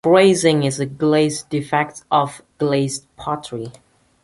Crazing is a glaze defect of glazed pottery.